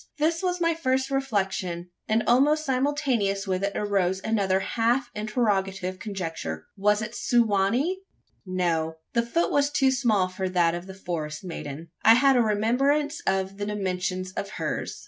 This was my first reflection; and almost simultaneous with it arose another half interrogative conjecture: was it Su wa nee? No. The foot was too small for that of the forest maiden. I had a remembrance of the dimensions of hers.